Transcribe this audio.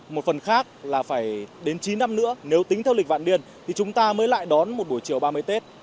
một phần khác là phải đến chín năm nữa nếu tính theo lịch vạn điên thì chúng ta mới lại đón một buổi chiều ba mươi tết